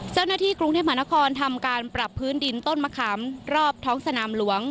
เจ้าหน้าที่กรุงเทพมหานครทำการปรับพื้นดินต้นมะขามรอบท้องสนามหลวง